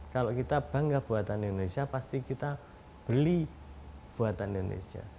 kalau kita bangga buatan indonesia pasti kita beli buatan indonesia